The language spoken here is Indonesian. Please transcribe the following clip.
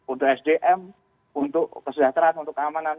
untuk sdm untuk kesejahteraan untuk keamanan